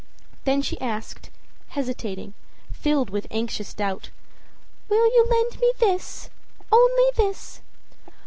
Then she asked, hesitating, filled with anxious doubt: âWill you lend me this, only this?